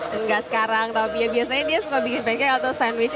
nggak sekarang tapi ya biasanya dia suka bikin pancake atau sandwich